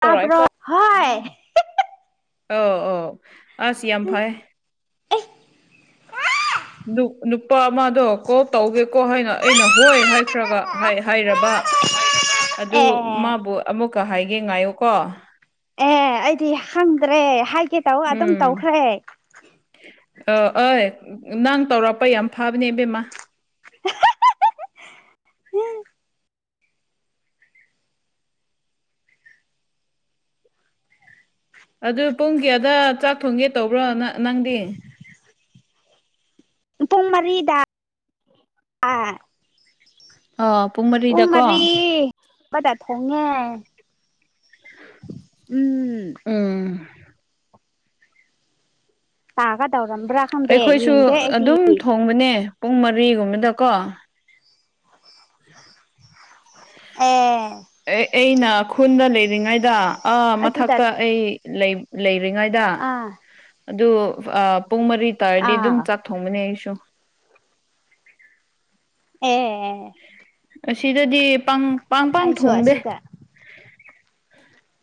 ꯇꯥꯕꯔꯣ ꯍꯣꯏ ꯑꯣ ꯑꯣ ꯑꯁ ꯌꯥꯝ ꯐꯥꯏ ꯅꯨꯄꯥ ꯑꯃꯗꯣ ꯀꯣ ꯇꯧꯒꯦꯀꯣ ꯍꯥꯏꯅ ꯑꯩꯅ ꯍꯣꯏ ꯍꯥꯏꯈ꯭ꯔꯒ ꯍꯥꯏꯔꯕ ꯑꯗꯨ ꯑꯦ ꯃꯥꯕꯨ ꯑꯃꯨꯛꯀ ꯍꯥꯏꯒꯦ ꯉꯥꯏꯌꯨꯀꯣ ꯑꯦ ꯑꯩꯗꯤ ꯍꯪꯗ꯭ꯔꯦ ꯍꯥꯏꯒꯦ ꯇꯧꯔꯒ ꯑꯗꯨꯝ ꯇꯧꯈ꯭ꯔꯦ ꯑꯣ ꯑꯣꯏ ꯅꯪ ꯇꯧꯔꯛꯄ ꯌꯥꯝ ꯐꯥꯕꯅꯦ ꯏꯕꯦꯝꯃꯥ ꯎꯝ ꯑꯗꯨ ꯄꯨꯡ ꯀꯌꯥꯗ ꯆꯥꯛ ꯊꯣꯡꯒꯦ ꯇꯧꯕ꯭ꯔ ꯅꯪ ꯅꯪꯗꯤ ꯄꯨꯡ ꯃꯔꯤꯗ ꯑꯥ ꯑ ꯄꯨꯡ ꯃꯔꯤꯗꯀꯣ ꯃꯔꯤ ꯕꯗ ꯊꯣꯡꯉꯦ ꯎꯝ ꯎꯝ ꯇꯥꯒꯗꯧꯔꯝꯕ꯭ꯔꯥ ꯈꯪꯗꯦ ꯑꯩꯈꯣꯏꯁꯨ ꯌꯦꯡꯗꯦ ꯑꯩꯗꯤ ꯑꯗꯨꯝ ꯊꯣꯡꯕꯅꯦ ꯄꯨꯡ ꯃꯔꯤꯒꯨꯝꯕꯗꯀꯣ ꯑꯦ ꯑꯦ ꯑꯩꯅ ꯈꯨꯟꯗ ꯂꯩꯔꯤꯉꯩꯗ ꯑꯥ ꯑꯗꯨꯗ ꯃꯊꯛꯇ ꯑꯩ ꯂꯩ ꯂꯩꯔꯤꯉꯩꯗ ꯑꯥ ꯑꯗꯨ ꯄꯨꯡ ꯃꯔꯤ ꯇꯥꯔꯗꯤ ꯑꯗꯨꯝ ꯑꯥ ꯆꯥꯛ ꯊꯣꯡꯕꯅꯦ ꯑꯩꯁꯨ ꯑꯦ ꯑꯦ ꯑꯁꯤꯗꯗꯤ ꯄꯡ ꯄꯥꯡ ꯄꯥꯡ ꯑꯩꯁꯨ ꯊꯣꯡꯗꯦ ꯑꯁꯤꯗ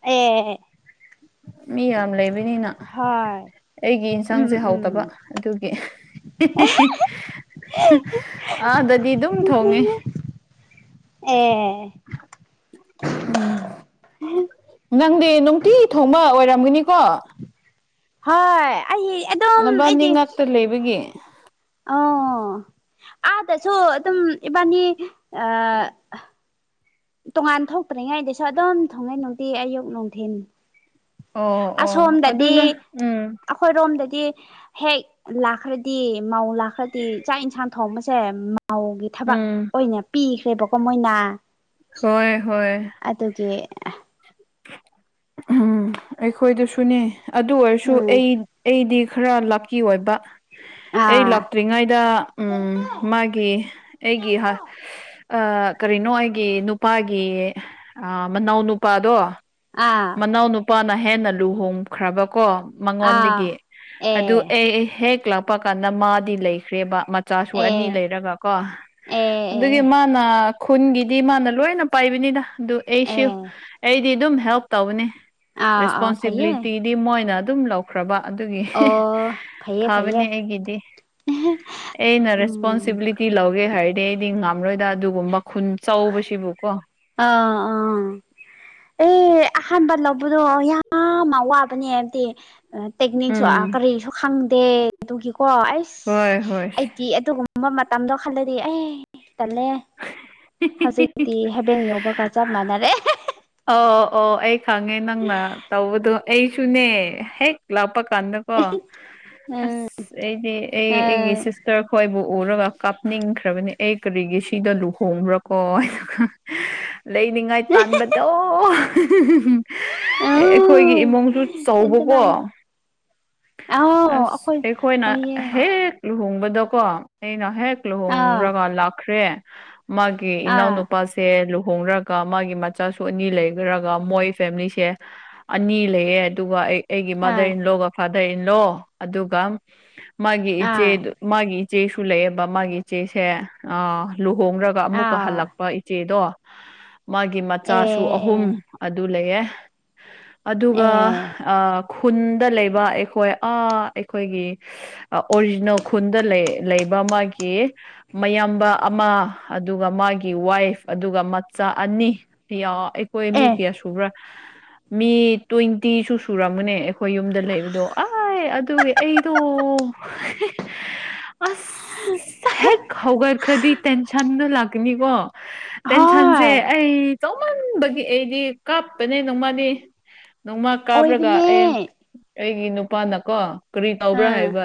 ꯑꯦ ꯃꯤ ꯌꯥꯝ ꯂꯩꯕꯅꯤꯅ ꯍꯣꯏ ꯑꯩꯒꯤ ꯎꯝ ꯌꯦꯟꯁꯥꯡꯁꯦ ꯎꯝ ꯍꯥꯎꯇꯕ ꯑꯗꯨꯒꯤ ꯑꯥꯗꯗꯤ ꯑꯗꯨꯝ ꯊꯣꯡꯉꯦ ꯑꯦ ꯑꯦ ꯎꯝ ꯅꯪꯗꯤ ꯅꯨꯡꯇꯤ ꯊꯣꯡꯕ ꯑꯣꯏꯔꯝꯒꯅꯤ ꯀꯣ ꯍꯣꯏ ꯑꯩ ꯑꯗꯨꯝ ꯅꯕꯥꯅꯤ ꯑꯩꯗꯤ ꯉꯥꯛꯇ ꯂꯩꯕꯒꯤ ꯑꯣ ꯑꯥꯗꯁꯨ ꯑꯗꯨꯝ ꯏꯕꯥꯅꯤ ꯑ ꯇꯣꯉꯥꯟ ꯊꯣꯛꯇ꯭ꯔꯤꯉꯩꯗꯁꯨ ꯑꯗꯨꯝ ꯊꯣꯡꯉꯩ ꯅꯨꯡꯇꯤ ꯑꯌꯨꯛ ꯅꯨꯡꯊꯤꯟ ꯑꯣ ꯑꯣ ꯑꯁꯣꯝꯗꯗꯤ ꯑꯗꯨꯅ ꯎꯝ ꯑꯩꯈꯣꯏꯔꯣꯝꯗꯗꯤ ꯍꯦꯛ ꯂꯥꯛꯈ꯭ꯔꯗꯤ ꯃꯧ ꯂꯥꯛꯈ꯭ꯔꯗꯤ ꯆꯥꯛ ꯏꯟꯁꯥꯡ ꯊꯣꯡꯕ ꯁꯦ ꯁꯦ ꯃꯧꯒꯤ ꯊꯕꯛ ꯎꯝ ꯑꯣꯏꯅ ꯄꯤꯈ꯭ꯔꯦꯕꯀꯣ ꯃꯣꯏꯅ ꯍꯣꯏ ꯍꯣꯏ ꯑꯗꯨꯒꯤ ꯎꯝ ꯑꯩꯈꯣꯏꯗꯁꯨꯅꯦ ꯑꯗꯨ ꯑꯣꯏꯔꯁꯨ ꯎꯝ ꯑꯩ ꯑꯩꯗꯤ ꯈꯔ ꯂꯛꯀꯤ ꯑꯣꯏꯕ ꯑꯩ ꯑꯥ ꯂꯛ ꯇ꯭ꯔꯤꯉꯩꯗ ꯃꯥꯒꯤ ꯑꯩꯒꯤ ꯑ ꯀꯔꯤꯅꯣ ꯑꯩꯒꯤ ꯅꯨꯄꯥꯒꯤ ꯃꯅꯥꯎ ꯑ ꯅꯨꯄꯥꯗꯣ ꯑꯥ ꯃꯅꯥꯎ ꯅꯨꯄꯥꯅ ꯍꯦꯟꯅ ꯂꯨꯍꯣꯡꯈ꯭ꯔꯕꯀꯣ ꯑꯥ ꯃꯉꯣꯟꯗꯒꯤ ꯑꯦ ꯑꯗꯨ ꯑꯦ ꯍꯦꯛ ꯂꯥꯛꯄ ꯀꯥꯟꯗ ꯃꯥꯗꯤ ꯂꯩꯈ꯭ꯔꯦꯕ ꯃꯥ ꯃꯆꯥꯁꯨ ꯑꯦ ꯑꯅꯤ ꯂꯩꯔꯒ ꯀꯣ ꯑꯦ ꯑꯗꯨꯒꯤ ꯑꯦ ꯃꯥꯅ ꯈꯨꯟꯒꯤꯗꯤ ꯃꯥꯅ ꯂꯣꯏꯅ ꯄꯥꯏꯕꯅꯤꯗ ꯑꯗꯨ ꯑꯩꯁꯨ ꯑꯦ ꯑꯩ ꯗꯤ ꯑꯗꯨꯝ ꯍꯦꯜꯞ ꯇꯧꯕꯅꯦ ꯑꯥ ꯑꯥ ꯐꯩꯌꯦ ꯔꯦꯁꯄꯣꯟꯁꯤꯕꯤꯂꯤꯇꯤꯗꯤ ꯃꯣꯏꯅ ꯑꯗꯨꯝ ꯂꯧ ꯈ꯭ꯔꯕ ꯑꯗꯨꯒꯤ ꯑꯣ ꯐꯩꯌꯦ ꯐꯩꯌꯦ ꯐꯕꯅꯦ ꯑꯩꯒꯤꯗꯤ ꯑꯩꯅ ꯎꯝ ꯔꯦꯁꯄꯣꯟꯁꯤꯕꯤꯂꯤꯇꯤ ꯂꯧꯒꯦ ꯍꯥꯏ ꯑꯩꯗꯤ ꯉꯥꯝꯔꯣꯏꯗ ꯑꯗꯨꯒꯨꯝꯕ ꯈꯨꯟ ꯆꯧꯕꯁꯤꯕꯨ ꯀꯣ ꯑ ꯑꯣ ꯑꯦ ꯑꯍꯥꯟꯕ ꯂꯧꯕ ꯌꯥꯝꯅ ꯋꯕꯅꯦ ꯍꯥꯏꯕꯗꯤ ꯇꯦꯛꯅꯤꯛꯁꯨ ꯎꯝ ꯑ ꯀꯔꯤꯁꯨ ꯈꯪꯗꯦ ꯑꯗꯨꯒꯤꯀꯣ ꯑꯩꯁ ꯍꯣꯏ ꯍꯣꯏ ꯑꯩꯗꯤ ꯑꯗꯨꯒꯨꯝ ꯃꯇꯝꯗꯣ ꯈꯜꯂꯗꯤ ꯑꯩ ꯇꯜꯂꯦ ꯍꯧꯖꯤꯛꯇꯤ ꯍꯦꯕꯦꯟ ꯌꯧꯕꯒ ꯆꯞ ꯃꯅꯥꯔꯦ ꯑꯣ ꯑꯣ ꯑꯩ ꯈꯪꯉꯦ ꯅꯪꯅ ꯇꯧꯕꯗꯨ ꯑꯩꯁꯨꯅꯦ ꯍꯦꯛ ꯂꯥꯛꯄꯥ ꯀꯥꯟꯗ ꯀꯣ ꯎꯝ ꯑꯁ ꯑꯩꯗꯤ ꯑꯩ ꯑꯩꯒꯤ ꯎꯝ ꯁꯤꯁ ꯇꯔ ꯈꯣꯏꯕꯨ ꯎꯔꯒ ꯀꯥꯞꯅꯤꯡꯈ꯭ꯔꯕꯅꯦ ꯑꯩ ꯀꯔꯤꯒꯤ ꯁꯤꯗ ꯂꯨꯍꯣꯡꯕ꯭ꯔꯥꯀꯣ ꯍꯥꯏꯅ ꯂꯩꯅꯤꯡꯉꯥꯏ ꯇꯥꯟꯕꯗꯣ ꯑꯦ ꯑꯧ ꯑꯩꯈꯣꯏꯒꯤ ꯏꯃꯨꯡꯁꯨ ꯆꯧꯎꯕꯀꯣ ꯑꯗꯨꯃꯥꯏ ꯑꯥꯎ ꯑꯁ ꯑꯩꯈꯣꯏ ꯑꯩꯈꯣꯏꯅ ꯑꯣꯏꯌꯦ ꯍꯦꯛ ꯂꯨꯍꯣꯡꯕꯗꯀꯣ ꯑꯩꯅ ꯍꯦꯛ ꯑꯥ ꯂꯨꯍꯣꯡꯒꯔꯒ ꯂꯥꯛꯈ꯭ꯔꯦ ꯃꯥꯒꯤ ꯑꯥ ꯏꯅꯥꯎꯅꯨꯄꯥꯁꯦ ꯂꯨꯍꯣꯡꯅꯔꯒ ꯃꯥꯒꯤ ꯃꯆꯥꯁꯨ ꯑꯅꯤ ꯂꯩꯈ꯭ꯔꯒ ꯃꯣꯏ ꯐꯦꯃꯤꯂꯤꯁꯦ ꯑꯅꯤ ꯂꯩꯌꯦ ꯑꯗꯨꯒ ꯑꯩ ꯑꯩꯒꯤ ꯑꯥ ꯃꯥꯗꯔ ꯏꯟꯂꯣꯒ ꯐꯥꯗꯔ ꯏꯟꯂꯣ ꯑꯗꯨꯒ ꯃꯥꯒꯤ ꯏꯆꯦ ꯑꯥ ꯃꯥꯒꯤ ꯏꯆꯦꯁꯨ ꯂꯩꯌꯦꯕ ꯃꯥꯒꯤ ꯏꯆꯦꯁꯦ ꯑ ꯂꯨꯍꯣꯡꯔꯒ ꯑꯃꯨꯛꯀ ꯑꯥ ꯍꯜꯂꯛꯄ ꯏꯆꯦꯗꯣ ꯃꯥꯒꯤ ꯑꯦ ꯃꯆꯥꯁꯨ ꯑꯍꯨꯝ ꯑꯦ ꯑꯗꯨ ꯂꯩꯌꯦ ꯑꯗꯨꯒ ꯑꯦ ꯑꯥ ꯈꯨꯟꯗ ꯂꯩꯕ ꯑꯩꯈꯣꯏ ꯑꯥ ꯑꯩꯈꯣꯏꯒꯤ ꯑꯣꯔꯤꯖꯤꯅꯦꯜ ꯈꯨꯟꯗ ꯂꯩ ꯂꯩꯕ ꯃꯥꯒꯤ ꯃꯌꯥꯝꯕ ꯑꯃ ꯑꯗꯨꯒ ꯃꯥꯒꯤ ꯋꯥꯏꯐ ꯑꯗꯨꯒ ꯃꯆꯥ ꯑꯅꯤ ꯌꯥ ꯑꯩꯈꯣꯏ ꯃꯤ ꯑꯦ ꯀꯌꯥ ꯁꯨꯕ꯭ꯔꯥ ꯃꯤ ꯇ꯭ꯋꯦꯟꯇꯤꯁꯨ ꯁꯨꯔꯝꯒꯅꯦ ꯑꯩꯈꯣꯏ ꯌꯨꯝꯗ ꯂꯩꯕꯗꯣ ꯑꯥꯢ ꯑꯗꯨꯒꯤ ꯑꯩꯗꯣ ꯑꯁ ꯍꯦꯛ ꯍꯧꯒꯠꯈ꯭ꯔꯗꯤ ꯇꯦꯟꯁꯟꯗ ꯂꯥꯛꯀꯅꯤꯀꯣ ꯇꯦꯟꯁꯟꯁꯦ ꯍꯣꯏ ꯑꯩ ꯆꯧꯃꯟꯕꯒꯤ ꯑꯩꯗꯤ ꯀꯥꯞꯄꯅꯦ ꯅꯣꯡꯃꯗꯤ ꯅꯣꯡꯃ ꯀꯥꯞꯔꯒ ꯑꯣꯏꯕꯅꯦ ꯑꯦ ꯑꯩꯒꯤ ꯅꯨꯄꯥꯅꯀꯣ ꯀꯔꯤ ꯇꯧꯕ꯭ꯔꯥ ꯑꯥ ꯍꯥꯏꯕ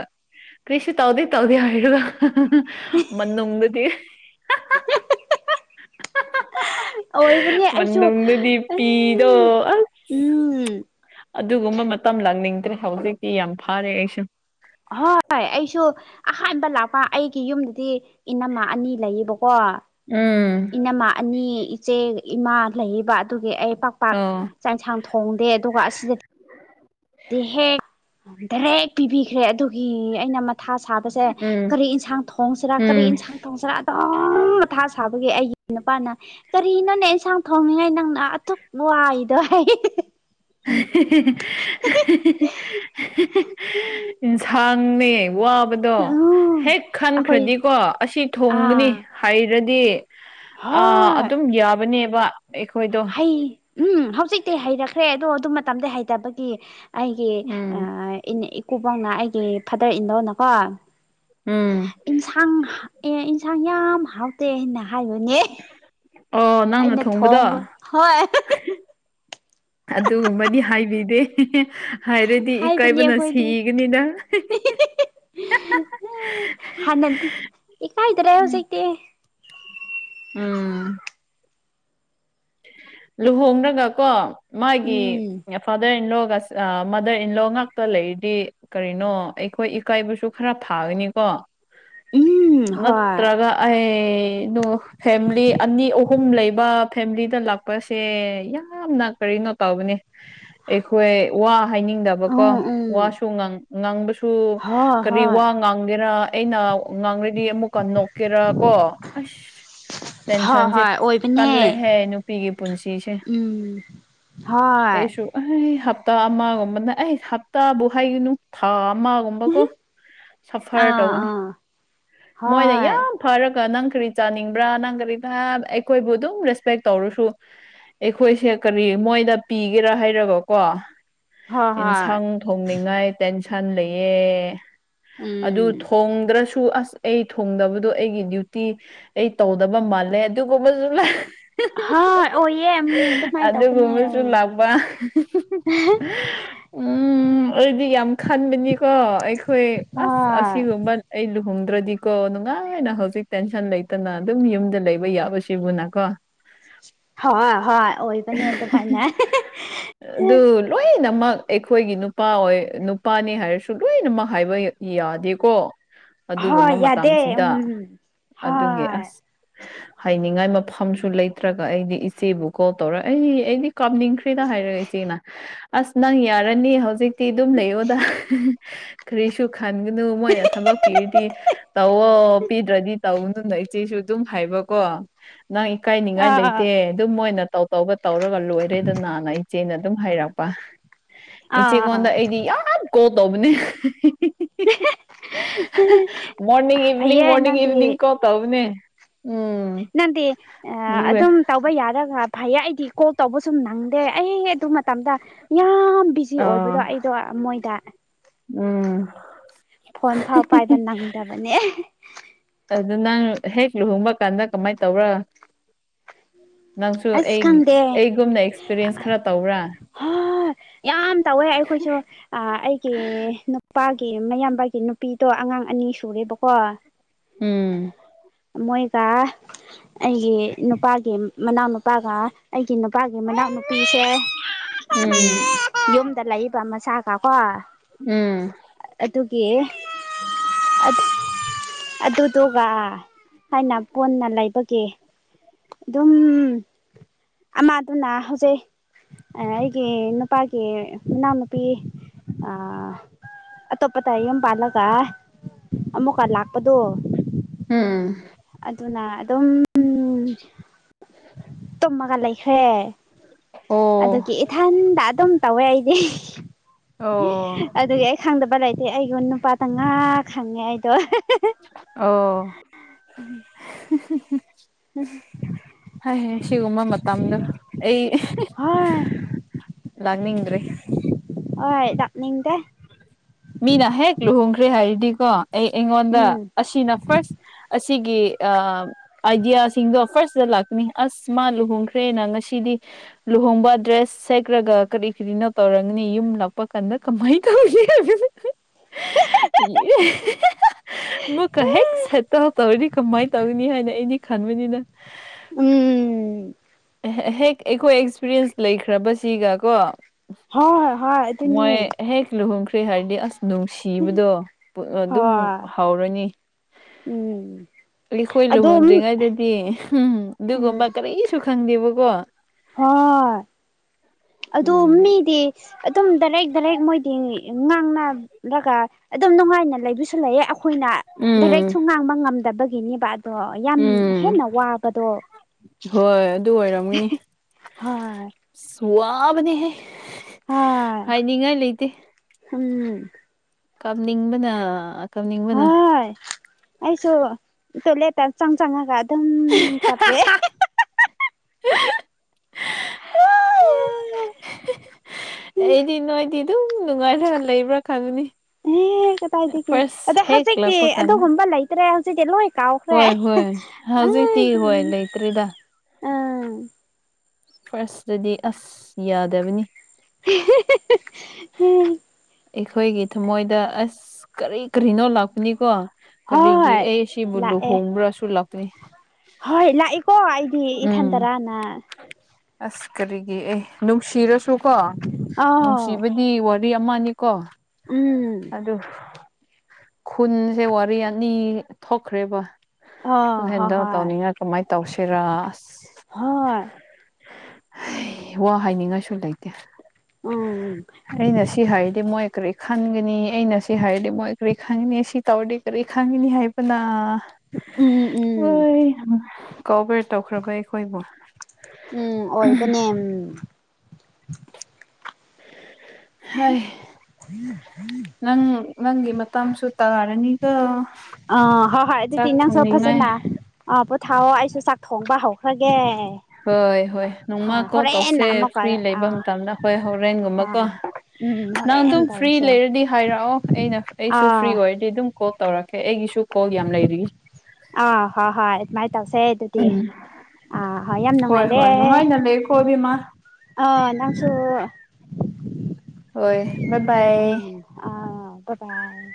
ꯀꯔꯤꯁꯨ ꯇꯧꯗꯦ ꯇꯧꯗꯦ ꯍꯥꯏꯕ ꯃꯅꯨꯡꯗꯗꯤ ꯑꯣꯏꯕꯅꯦ ꯑꯩꯁꯨ ꯃꯅꯨꯡꯗꯗꯤ ꯎꯝ ꯄꯤꯗꯣ ꯑ ꯑꯗꯨꯒꯨꯝꯕ ꯃꯇꯝ ꯂꯥꯡꯅꯤꯡꯗ꯭ꯔꯦ ꯍꯧꯖꯤꯛꯇꯤ ꯌꯥꯝ ꯐꯥꯔꯦ ꯑꯩꯁꯨ ꯑꯍꯣꯏ ꯑꯩꯁꯨ ꯑꯍꯥꯟꯕ ꯂꯥꯛꯄ ꯑꯩꯒꯤ ꯌꯨꯝꯗꯗꯤ ꯢꯅꯝꯃꯥ ꯑꯅꯤ ꯂꯩꯌꯦꯕꯀꯣ ꯎꯝ ꯏꯅꯝꯃꯥ ꯑꯅꯤ ꯏꯆꯦ ꯏꯃꯥ ꯂꯩꯌꯦꯕ ꯑꯗꯨꯒꯤ ꯑꯩ ꯄꯥꯛ ꯄꯥꯛ ꯑꯣ ꯆꯥꯛ ꯏꯟꯁꯥꯡ ꯊꯣꯡꯗꯦ ꯑꯗꯨꯒ ꯑꯁꯤꯗ ꯗꯤ ꯍꯦꯛ ꯗꯥꯏꯔꯦꯛ ꯄꯤꯕꯤꯈ꯭ꯔꯦ ꯑꯗꯨꯒꯤ ꯑꯩꯅ ꯃꯊꯥ ꯁꯥꯕ ꯁꯦ ꯎꯝ ꯀꯔꯤ ꯏꯟꯁꯥꯡ ꯊꯣꯡꯁꯤꯔꯥ ꯀꯔꯤ ꯎꯝ ꯏꯟꯁꯥꯡ ꯊꯣꯡꯁꯤꯔꯥ ꯃꯊꯥ ꯁꯥꯕꯒꯤ ꯑꯩꯒꯤ ꯅꯨꯄꯥꯅ ꯀꯔꯤꯅꯣꯅꯦ ꯏꯟꯁꯥꯡ ꯊꯣꯡꯅꯤꯡꯉꯥꯏ ꯅꯪꯅ ꯑꯗꯨꯛ ꯋꯥꯔꯤꯗꯣ ꯍꯥꯏ [unintelligible] ꯏꯟꯁꯥꯡꯅꯦ ꯋꯥ ꯗꯣ ꯍꯦꯛ ꯑꯩꯈꯣꯏ ꯈꯟꯈ꯭ꯔꯗꯤꯀꯣ ꯑꯁꯤ ꯊꯣꯡꯒꯅꯤ ꯑꯥ ꯍꯥꯏꯔꯗꯤ ꯑ ꯍꯣꯏ ꯑꯗꯨꯝ ꯌꯥꯕꯅꯦꯕ ꯑꯩꯈꯣꯏꯗꯣ ꯑꯩ ꯎꯝ ꯍꯧꯖꯤꯛꯇꯤ ꯍꯩꯔꯛꯈ꯭ꯔꯦ ꯑꯗꯣ ꯑꯗꯨ ꯃꯇꯝꯗ ꯍꯩꯇꯕꯒꯤ ꯑꯩꯒꯤ ꯎꯝ ꯑꯥ ꯏꯀꯨꯕꯣꯛꯅ ꯑꯩꯒꯤ ꯐꯥꯗꯔ ꯏꯅꯂꯣꯅꯀꯣ ꯎꯝ ꯏꯟꯁꯥꯡ ꯑꯦ ꯏꯟꯁꯥꯡ ꯌꯥꯝ ꯍꯥꯎ ꯇꯦꯅ ꯍꯥꯏꯕꯅꯦ ꯑꯣ ꯅꯪꯅ ꯑꯩꯅ ꯊꯣꯡꯕꯗꯣ ꯊꯣꯡꯕ ꯍꯣꯏ ꯑꯗꯨꯒꯨꯝꯕꯗꯤ ꯍꯥꯏꯕꯤꯗꯦ ꯍꯥꯏꯔꯗꯤ ꯍꯥꯏꯕꯅꯦ ꯏꯀꯥꯏꯕꯅ ꯑꯩꯈꯣꯏꯗꯤ ꯁꯤꯒꯅꯤꯗ ꯍꯥꯟꯅꯗꯤ [unintelligible] ꯏꯀꯥꯏꯗ꯭ꯔꯦ ꯍꯧꯖꯤꯀꯇꯤ ꯎꯝ ꯂꯨꯍꯣꯡꯔꯒꯀꯣ ꯃꯥꯒꯤ ꯎꯝ ꯐꯥꯗꯔ ꯏꯟꯂꯣꯒꯁ ꯃꯥꯗꯔ ꯏꯟꯂꯣ ꯉꯥꯛꯇ ꯂꯩꯔꯗꯤ ꯀꯔꯤꯅꯣ ꯑꯩꯈꯣꯏ ꯏꯀꯥꯏꯕꯁꯨ ꯈꯔ ꯐꯥꯒꯅꯤꯀꯣ ꯎꯝ ꯍꯣꯏ ꯅꯠꯇ꯭ꯔꯒ ꯑꯩ ꯅꫭ ꯐꯦꯝꯂꯤ ꯑꯅꯤ ꯑꯍꯨꯝ ꯂꯩꯕ ꯐꯦꯝꯂꯤꯗ ꯂꯥꯛꯄꯁꯦ ꯌꯥꯝꯅ ꯀꯔꯤꯅꯣ ꯇꯧꯕꯅꯦ ꯑꯩꯈꯣꯏ ꯋꯥ ꯍꯥꯏꯅꯤꯡꯗꯕꯀꯣ ꯎꯝ ꯎꯝ ꯋꯥꯁꯨ ꯉꯥꯡ ꯉꯥꯡꯕꯁꯨ ꯍꯣꯏ ꯀꯔꯤ ꯍꯣꯏ ꯋꯥ ꯉꯥꯡꯒꯦꯔ ꯑꯩꯅ ꯉꯥꯡꯔꯗꯤ ꯑꯃꯨꯛꯀ ꯅꯣꯛꯀꯦꯔ ꯀꯣ ꯑꯁ ꯍꯣꯏ ꯇꯦꯟꯁꯟꯁꯦ ꯍꯣꯏ ꯑꯣꯏꯕꯅꯦ ꯀꯜꯂꯦ [unintelligible] ꯅꯨꯄꯤꯒꯤ ꯄꯨꯟꯁꯤꯁꯦ ꯎꯝ ꯍꯣꯏ ꯑꯩꯁꯨ ꯑꯩ ꯍꯞꯇꯥ ꯑꯃꯒꯨꯝꯕꯅ ꯑꯩ ꯍꯞꯇꯥꯕꯨ ꯍꯥꯏꯒꯨꯅꯨ ꯊꯥ ꯑꯃꯒꯨꯝꯕꯀꯣ ꯁꯐꯔ ꯑꯥ ꯇꯧꯒꯅꯤ ꯑꯥ ꯃꯣꯏꯅ ꯍꯣꯏ ꯌꯥꯝ ꯐꯔꯒ ꯅꯪ ꯀꯔꯤ ꯆꯥꯅꯤꯡꯕ꯭ꯔ ꯅꯪ ꯀꯔꯤ [unintelligible] ꯑꯩꯈꯣꯏꯕꯨ ꯗꯨꯝ ꯔꯦꯁ ꯄꯦꯛ ꯇꯧꯔꯁꯨ ꯑꯩꯈꯣꯏꯁꯦ ꯀꯔꯤ ꯃꯣꯏꯗ ꯄꯤꯒꯦꯔ ꯍꯥꯏꯔꯒꯀꯣ ꯍꯣꯏ ꯍꯣꯏ ꯏꯟꯁꯥꯡ ꯊꯣꯡꯅꯤꯡꯉꯥꯏ ꯇꯦꯟꯁꯟ ꯂꯩꯌꯦ ꯑꯗꯨ ꯎꯝ ꯊꯣꯡꯗ꯭ꯔꯁꯨ ꯑꯁ ꯑꯩ ꯊꯨꯡꯗꯕꯗꯣ ꯑꯩꯒꯤ ꯗ꯭ꯌꯨꯇꯤ ꯑꯩ ꯇꯧꯗꯕ ꯃꯥꯜꯂꯦ ꯑꯗꯨꯒꯨꯝꯕꯁꯨ [unintelligible] ꯍꯣꯏ [unintelligible] ꯑꯣꯏꯌꯦ ꯎꯝ ꯑꯗꯨꯃꯥꯏꯅ ꯇꯧꯕꯅꯦ ꯑꯗꯨꯒꯨꯝꯕꯁꯨ ꯂꯥꯛꯄ [unintelligible] ꯎꯝ ꯑꯩꯗꯤ ꯌꯥꯝ ꯈꯟꯕꯅꯤꯀꯣ ꯑꯩꯈꯣꯏ ꯑꯁ ꯍꯣꯏ ꯑꯁꯤꯒꯨꯝꯕ ꯑꯩ ꯂꯨꯍꯣꯡꯗ꯭ꯔꯗꯤꯀꯣ ꯅꯨꯡꯉꯥꯏꯅ ꯍꯧꯖꯤꯛ ꯇꯦꯟꯁꯟ ꯂꯩꯇꯅ ꯑꯗꯨꯝ ꯌꯨꯝꯗ ꯂꯩꯕ ꯌꯥꯕꯁꯤꯕꯨꯅꯀꯣ [unintelligible] ꯍꫭꯏ ꯑꯣꯏꯕꯅꯦ ꯑꯗꯨꯃꯥꯏꯅ ꯑꯗꯨ [unintelligible] ꯂꯣꯏꯅꯃꯛ ꯑꯩꯈꯣꯏꯒꯤ ꯅꯨꯄꯥ ꯑꯣꯏ ꯅꯨꯄꯥꯅꯤ ꯍꯥꯏꯔꯁꯨ ꯂꯣꯏꯅꯃꯛ ꯍꯥꯏꯕ ꯌꯥꯗꯦꯀꯣ ꯑꯗꯨꯒꯨꯝꯕ ꯍꯣꯏ ꯌꯥꯗꯦ ꯃꯇꯝꯁꯤꯗ ꯎꯝ ꯑꯗꯨꯒꯤ ꯍꯣꯏ ꯑꯁ ꯍꯥꯏꯅꯤꯡꯉꯥꯏ ꯃꯐꯝꯁꯨ ꯂꯩ ꯇ꯭ꯔꯒ ꯑꯩꯗꯤ ꯏꯆꯦꯕꯨ ꯀꯣꯜ ꯇꯧꯔ ꯑꯩ ꯑꯩꯗꯤ ꯀꯞꯅꯤꯡꯈ꯭ꯔꯦꯗ ꯍꯥꯏꯔꯒ ꯏꯆꯦꯅ ꯑꯁ ꯅꯪ ꯌꯥꯔꯅꯤ ꯍꯧꯖꯤꯛꯇꯤ ꯑꯗꯨꯝ ꯂꯩꯌꯨꯗ [unintelligible] ꯀꯔꯤꯁꯨ ꯈꯟꯒꯅꯨ ꯃꯣꯏꯅ ꯊꯕꯛ ꯄꯤꯔꯗꯤ ꯇꯧꯋꫭ ꯄꯤꯗ꯭ꯔꯗꯤ ꯇꯧꯅꯨꯅ ꯏꯆꯦꯁꯨ ꯑꯗꯨꯝ ꯍꯥꯏꯕꯀꯣ ꯅꯪ ꯏꯀꯥꯏ ꯅꯤꯡꯉꯥꯏ ꯂꯩꯇꯦ ꯑꯥ ꯑꯗꯨꯝ ꯃꯣꯏꯅ ꯇꯧ ꯇꯧꯒ ꯇꯧꯔꯒ ꯂꯣꯏꯔꯦꯗꯅꯅ ꯏꯆꯦꯅ ꯑꯗꯨꯝ ꯍꯥꯏꯔꯛꯄ ꯏꯆꯦ ꯀꯣꯟꯗ ꯑꯥ ꯑꯩꯗꯤ ꯌꯥꯝ ꯀꯣꯜ ꯇꯧꯕꯅꯦ [unintelligible] [unintelligible] ꯃꯣꯔꯅꯤꯡ ꯏꯚꯅꯤꯡ ꯐꯩꯌꯦ ꯃꯣꯔꯅꯤꯡ ꯅꯪꯗꯤ ꯏꯚꯅꯤꯡ ꯀꯣꯜ ꯇꯧꯕꯅꯦ ꯎꯝ ꯅꯪꯗꯤ ꯑꯗꯨꯒ ꯑꯗꯨꯝ ꯇꯧꯕ ꯌꯥꯔꯒ ꯐꯩꯌꯦ ꯑꯩꯗꯤ ꯀꯣꯜ ꯇꯧꯕ ꯁꯨ ꯅꯪꯗꯦ ꯑꯩ ꯑꯗꯨ ꯃꯇꯝꯗ ꯌꯥꯝ ꯕꯤꯖꯤ ꯑꯥ ꯑꯣꯏꯕꯗꯣ ꯑꯩꯗꯣ ꯃꯣꯏꯗ ꯎꯝ ꯐꯣꯟ ꯐꯥꯎ ꯄꯥꯏꯕ ꯅꯪꯗꯕꯅꯦ ꯑꯗꯨ ꯅꯪ ꯍꯦꯛ ꯂꯨꯍꯣꯡꯕ ꯀꯥꯟꯗ ꯀꯃꯥꯏ ꯇꯧꯕ꯭ꯔ [inaudible] ꯅꯪꯁꯨ ꯑꯁ ꯑꯩ ꯈꯪꯗꯦ ꯑꯩꯒꯨꯝꯅ ꯑꯦꯛꯁꯄꯤꯔꯤꯌꯦꯟꯁ ꯈꯔ ꯇꯧꯕ꯭ꯔ ꯍꯣꯏ ꯌꯥꯝ ꯇꯧꯋꯦ ꯑꯩꯈꯣꯏꯁꯨ ꯑꯥ ꯑꯩꯒꯤ ꯅꯨꯄꯥꯒꯤ ꯃꯌꯥꯝꯕꯒꯤ ꯅꯨꯄꯤꯗꯣ ꯑꯉꯥꯡ ꯑꯅꯤ ꯁꯨꯔꯦꯕꯀꯣ [inaudible] ꯎꯝ ꯃꯣꯏꯒ ꯑꯩꯒꯤ ꯅꯨꯄꯥꯒꯤ ꯃꯅꯥꯎꯅꯨꯄꯥꯒ ꯑꯩꯒꯤ ꯅꯨꯄꯥꯒꯤ ꯃꯅꯥꯎꯅꯨꯄꯤꯁꯦ ꯎꯝ [unintelligible] ꯌꯨꯝꯗ ꯂꯩꯏꯕ ꯃꯆꯥꯀꯥ ꯀꯣ ꯎꯝ ꯑꯗꯨꯒꯤ ꯑꯗꯨꯗꯨꯒ ꯍꯥꯏꯅ ꯀꯣꯟꯅ ꯂꯩꯕꯒꯤ ꯑꯗꯨꯝ ꯑꯃꯗꯨꯅ ꯍꯧꯖꯤꯛ ꯑꯩꯒꯤ ꯅꯨꯄꯥꯒꯤ ꯃꯅꯥꯎꯅꯨꯄꯤ ꯑꯇꯣꯞꯄꯇ ꯌꯨꯝ ꯄꯥꯜꯂꯒ ꯑꯃꯨꯛꯀ ꯂꯥꯛꯄꯗꯨ ꯎꯝ ꯑꯗꯨꯅ ꯑꯗꯨꯝ ꯇꯨꯝꯃꯒ ꯂꯩꯈ꯭ꯔꯦ ꯑꯣ ꯑꯗꯨꯒꯤ ꯏꯊꯟꯗ ꯑꯗꯨꯝ ꯇꯧꯋꯦ ꯑꯩꯗꯤ ꯑꯣ ꯑꯗꯨꯒꯤ ꯑꯩ ꯈꯪꯗꯕ ꯂꯩꯇꯦ ꯑꯩꯉꯣꯟ ꯅꯨꯄꯥꯗ ꯉꯥꯛ ꯁꯪꯉꯦ ꯑꯩꯗꯣ ꯑꯣ ꯍꯥꯏ ꯍꯥꯏ ꯁꯤꯒꯨꯝꯕ ꯃꯇꯝꯗꯣ ꯑꯩ ꯍꯣꯏ ꯂꯥꯛꯅꯤꯡꯗ꯭ꯔꯦ ꯍꯣꯏ ꯂꯥꯛꯅꯤꯡꯗꯦ ꯃꯤꯅ ꯍꯦꯛ ꯂꯨꯍꯣꯡꯈ꯭ꯔꯦ ꯍꯥꯏꯔꯗꯤꯀꯣ ꯑꯩ ꯑꯩꯉꯣꯟꯗ ꯎꯝ ꯑꯁꯤꯅ ꯐꯥꯔ꯭ꯁ ꯑꯁꯤꯒꯤ ꯑꯥ ꯑꯥꯏꯗꯤꯌꯥꯁꯤꯡꯗꯣ ꯐꯥꯔꯁꯇ ꯂꯥꯛꯀꯅꯤ ꯑꯁ ꯃꯥ ꯂꯨꯍꯣꯡꯈ꯭ꯔꯦꯅ ꯉꯁꯤꯗꯤ ꯂꯨꯍꯣꯡꯕ ꯗ꯭ꯔꯦꯁ ꯁꯦꯠꯈ꯭ꯔꯒ ꯀꯔꯤ ꯀꯔꯤꯅꯣ ꯇꯧꯔꯒꯅꯤ ꯌꯨꯝ ꯂꯥꯛꯄ ꯀꯥꯟꯗ ꯀꯃꯥꯏ ꯇꯧꯅꯤ ꯃꯨꯛꯀ ꯍꯦꯛ ꯁꯦꯠꯇꯜ ꯇꯧꯔꯗꯤ ꯀꯃꯥꯏꯅ ꯇꯧꯅꯤ ꯍꯥꯏꯅ ꯑꯩꯗꯤ ꯈꯟꯕꯅꯤꯅ ꯎꯝ ꯍꯦꯛ ꯑꯩꯈꯣꯏ ꯑꯦꯛꯁꯄꯤꯔꯤꯌꯦꯟ꯭ꯁ ꯂꯩꯈ꯭ꯔꯕꯁꯤꯒ ꯀꯣ ꯍꯣꯏ ꯍꯣꯏ ꯑꯗꯨꯅꯤ ꯃꯣꯏ ꯍꯦꯛ ꯂꯨꯍꯣꯡꯈ꯭ꯔꯦ ꯍꯥꯏꯔꯗꯤ ꯑꯁ ꯅꯨꯡꯁꯤꯕꯗꯣ ꯑꯗꯨꯝ ꯍꯣꯏ ꯍꯥꯎꯔꯅꯤ ꯎꯝ ꯑꯩꯈꯣꯏ ꯑꯗꯨꯝ ꯂꯨꯍꯣꯡꯗ꯭ꯔꯤꯉꯩꯗꯗꯤ ꯎꯝ ꯎꯝ ꯑꯗꯨꯒꯨꯝꯕ ꯀꯔꯤ ꯁꯨ ꯈꯪꯗꯦꯕꯀꯣ ꯍꯣꯏ ꯑꯗꯨ ꯎꯝ ꯃꯤꯗꯤ ꯑꯗꯨꯝ ꯗꯥꯏꯔꯦꯛ ꯗꯥꯏꯔꯦꯛ ꯃꯣꯏꯗꯤ ꯉꯥꯡꯅꯔꯒ ꯑꯗꯨꯝ ꯅꯨꯡꯉꯥꯏꯅ ꯂꯩꯕꯁꯨ ꯂꯩꯌꯦ ꯑꯩꯈꯣꯏꯅ ꯗꯥꯏꯔꯦꯛ ꯎꯝ ꯁꯨꯡ ꯉꯥꯡꯕ ꯉꯝꯗꯕꯒꯤꯅꯦꯕ ꯑꯗꯣ ꯌꯥꯝ ꯎꯝ ꯍꯦꯟꯅ ꯋꯥꯕꯗꯣ ꯍꯣꯏ ꯑꯗꯨ ꯑꯣꯏꯔꯝꯒꯅꯤ ꯍꯣꯏ ꯑꯁ ꯋꯥꯕꯅꯦꯍ ꯍꯥꯏꯅꯤꯡꯉꯥꯏ ꯂꯩꯇꯦ ꯍꯝ ꯀꯥꯞꯅꯤꯡꯕꯅ ꯀꯥꯞꯅꯤꯡꯕꯅ ꯍꯣꯏ ꯑꯩꯁꯨ ꯇꯣꯏꯂꯦꯠꯇ ꯆꯪ ꯆꯪꯉꯒ ꯑꯗꯨꯝ ꯀꯞꯄꯦ ꯑꯩꯗꯤ ꯅꯣꯏꯗ ꯑꯗꯨꯝ ꯅꯨꯡꯉꯥꯏꯅ ꯂꯩꯕ꯭ꯔꯥ ꯈꯟꯕꯅꯤ ꯑꯦ ꯀꯗꯥꯏꯒꯤ ꯑꯗ ꯍꯧꯖꯤꯛꯇꯤ ꯂꯥꯛꯄ ꯀꯥꯟꯗ ꯑꯗꯨꯒꯨꯝꯕ ꯂꯩꯇ꯭ꯔꯦ ꯍꯧꯖꯤꯛꯇꯤ ꯂꯣꯏ ꯀꯥꯎꯈ꯭ꯔꯦ ꯍꯣꯏ ꯍꯣꯏ ꯍꯧꯖꯤꯛꯇꯤ ꯍꯣꯏ ꯑꯗꯨꯗꯨꯒꯤ ꯂꯩꯇ꯭ꯔꯤꯗ ꯑꯥ ꯐꯥꯔ꯭ꯁꯇꯗꯤ ꯑꯁ ꯌꯥꯗꯕꯅꯤ ꯎꯝ ꯑꯩꯈꯣꯏꯒꯤ ꯊꯥꯃꯣꯏꯗ ꯑꯁ ꯀꯔꯤ ꯀꯔꯤꯅꯣ ꯂꯥꯛꯄꯅꯤꯀꯣ ꯀꯔꯤꯒꯤ ꯍꯣꯏ ꯑꯩ ꯁꯤꯕꯨ ꯂꯥꯛꯑꯦ ꯂꯨꯍꯣꯡꯕ꯭ꯔꯥꯁꯨ ꯂꯥꯛꯇꯅꯤ ꯍꯣꯏ ꯂꯥꯛꯏꯀꯣ ꯑꯩꯗꯤ ꯏꯊꯟꯇꯔꯥꯅ ꯑꯁ ꯀꯔꯤꯒꯤ ꯑꯦ ꯅꯨꯡꯁꯤꯔꯁꯨ ꯀꯣ ꯅꯨꯡꯁꯤ ꯑꯥꯎ ꯗꯤ ꯋꯥꯔꯤ ꯑꯃꯅꯤꯀꯣ ꯎꯝ ꯑꯗꯨ ꯈꯨꯟꯁꯦ ꯋꯥꯔꯤ ꯑꯅꯤ ꯊꯣꯛꯈ꯭ꯔꯦꯕ꯫ ꯑ ꯗꯨ ꯍꯣꯏ ꯍꯦꯟꯗꯜ ꯍꯣꯏ ꯇꯧꯅꯤꯡꯉꯥꯢ ꯀꯃꯥꯏ ꯇꯧꯁꯤꯔꯥ ꯑꯁ ꯍꯣꯏ ꯍꯩ ꯋꯥ ꯍꯥꯏꯅꯤꯡꯉꯥꯏꯁꯨ ꯂꯩꯇꯦ꯫ ꯎꯝ ꯑꯩꯅ ꯁꯤ ꯍꯥꯏꯔꯗꯤ ꯃꯣꯏ ꯀꯔꯤ ꯈꯟꯒꯅꯤ ꯑꯩꯅ ꯁꯤ ꯍꯥꯏꯔꯗꯤ ꯃꯣꯏ ꯀꯔꯤ ꯈꯟꯒꯅꯤ ꯁꯤ ꯇꯧꯔꯗꯤ ꯀꯔꯤ ꯈꯪꯉꯤꯅꯤ ꯍꯥꯏꯕꯅ꯫ ꯎꯝ ꯎꯝ ꯑꯣꯢ ꯍ ꯀꯣꯕꯔ ꯇꯧꯈ꯭ꯔꯕ ꯑꯩꯈꯣꯏꯕꯨ꯫ ꯎꯝ ꯑꯣꯏꯕꯅꯦꯝ꯫ ꯍꯩ ꯅꯪ ꯅꯪꯒꯤ ꯃꯇꯝꯁꯨ ꯇꯥꯔꯅꯤꯒ꯫ ꯑꯥ ꯍꯣꯏ ꯍꯣꯏ ꯑꯗꯨ ꯅꯪꯁꯨ ꯐꯁꯅ ꯑꯥ ꯄꯣꯊꯥꯎꯑꯣ ꯑꯩꯁꯨ ꯆꯥꯛ ꯊꯣꯡꯕ ꯍꯧꯈ꯭ꯔꯒꯦ꯫ ꯍꯣꯏ ꯍꯣꯏ ꯅꯣꯡꯃ ꯍꯣꯏ ꯀꯣꯜ ꯍꯣꯔꯦꯟꯅ ꯇꯧꯁꯦ ꯑꯃꯨꯛꯀ ꯐ꯭ꯔꯤ ꯂꯩꯕ ꯑꯥ ꯃꯇꯝꯗ ꯍꯣꯏ ꯍꯧꯔꯦꯟꯒꯨꯝꯕꯀꯣ꯫ ꯍꯣꯏ ꯎꯝ ꯅꯪ ꯍꯣꯔꯦꯟ ꯑꯗꯨꯝ ꯐ꯭ꯔꯤ ꯇꯧꯔꯁꯦ ꯂꯩꯔꯗꯤ ꯍꯥꯏꯔꯛꯑꯣ ꯑꯩꯅ ꯑꯩꯁꯨ ꯐ꯭ꯔꯤ ꯑꯥ ꯑꯣꯏꯔꯗꯤ ꯑꯗꯨꯝ꯫ ꯀꯣꯜ ꯇꯧꯔꯛꯀꯦ ꯑꯩꯒꯤꯁꯨ ꯀꯣꯜ ꯌꯥꯝ ꯂꯩꯔꯤ꯫ ꯑ ꯍꯣꯢ ꯍꯣꯏ ꯑꯗꯨꯃꯥꯥꯏ ꯇꯧꯁꯦ꯫ ꯑꯗꯨꯗꯤ ꯎꯝ ꯑꯥ ꯍꯣꯏ ꯌꯥꯝ ꯅꯨꯡꯉꯥꯏꯔꯦ ꯍꯣꯏ ꯅꯨꯡꯉꯥꯏꯅ ꯂꯩꯀꯣ ꯎꯝ꯫ ꯏꯕꯦꯝꯃ ꯑꯥ ꯅꯪꯁꯨ ꯍꯣꯏ ꯕꯥ ꯕꯥꯏ꯫ ꯑ ꯕ ꯕꯥꯢ꯫